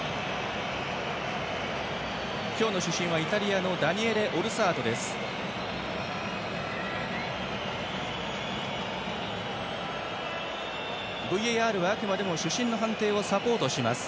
今日の主審はイタリアのダニエレ・オルサートです。